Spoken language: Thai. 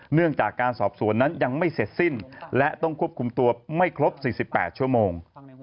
เนื่องจากการสอบสวนนั้นยังไม่เสร็จสิ้นและต้องควบคุมตัวไม่ครบ๔๘ชั่วโมง